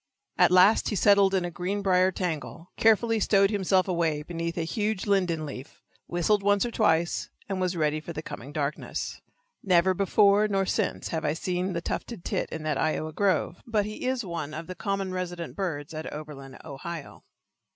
At last he settled in a green briar tangle, carefully stowed himself away beneath a huge linden leaf, whistled once or twice, and was ready for the coming darkness. Never before nor since have I seen the tufted tit in that Iowa grove, but he is one of the common resident birds at Oberlin, Ohio.